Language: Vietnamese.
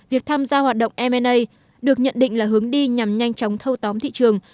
việc tham gia hoạt động m a được nhận định là hướng đi nhằm nhanh chóng thâu tóm thị trường